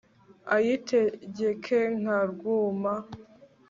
ayitegeke nka rwuma